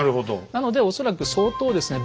なので恐らく相当ですね